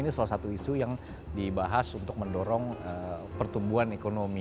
ini salah satu isu yang dibahas untuk mendorong pertumbuhan ekonomi